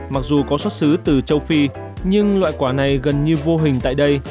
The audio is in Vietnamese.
mặc dù có xuất xứ từ châu phi nhưng loại quả này gần như vô hình tại đây